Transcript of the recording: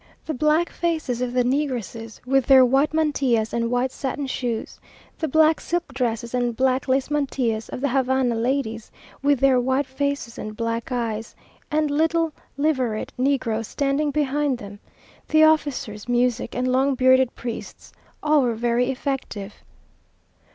The black faces of the negresses, with their white mantillas and white satin shoes; the black silk dresses and black lace mantillas of the Havana ladies, with their white faces and black eyes, and little liveried negroes standing behind them; the officers, music, and long bearded priests all were very effective.